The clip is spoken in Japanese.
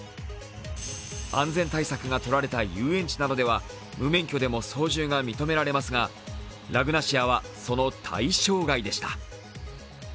安全対策が取られた遊園地などでは無免許などでも操縦が認められますが、ラグナシアはその対象外でした。